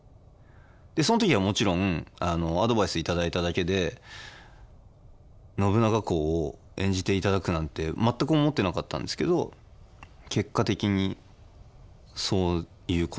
その時はもちろんアドバイス頂いただけで信長公を演じていただくなんて全く思ってなかったんですけど結果的にそういうことになりまして。